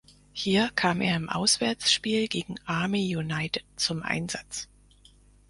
Hier kam er im Auswärtsspiel gegen Army United zum Einsatz.